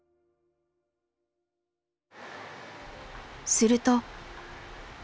すると。